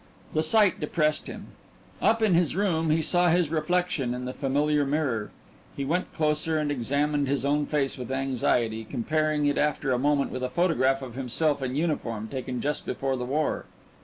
The sight depressed him. Up in his room he saw his reflection in the familiar mirror he went closer and examined his own face with anxiety, comparing it after a moment with a photograph of himself in uniform taken just before the war.